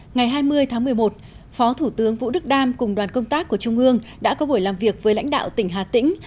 ngày hai mươi tháng một mươi một phó thủ tướng vũ đức đam cùng đoàn công tác của trung ương đã có buổi làm việc với lãnh đạo tỉnh hà tĩnh